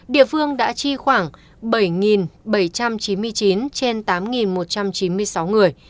địa phương đã chi khoảng bảy bảy trăm chín mươi chín trên tám một trăm chín mươi sáu người